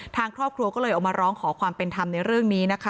ทางครอบครัวก็เลยออกมาร้องขอความเป็นธรรมในเรื่องนี้นะคะ